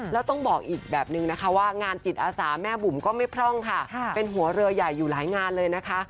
แล้วต้องบอกอีกแบบนึงนะคะว่างานจิตอาสาแม่บุ๋มก็ไม่พร่องค่ะเป็นหัวเรือใหญ่อยู่หลายงานเลยนะคะ